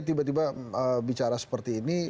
tiba tiba bicara seperti ini